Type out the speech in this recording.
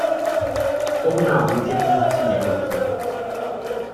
K tomu nám může pomoci několik metod.